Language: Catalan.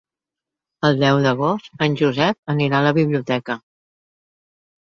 El deu d'agost en Josep anirà a la biblioteca.